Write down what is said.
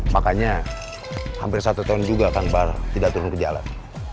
makanya hampir satu tahun juga kang bar tidak turun ke jalan